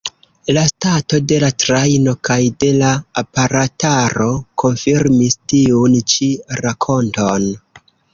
La stato de la trajno kaj de la aparataro konfirmis tiun ĉi rakonton.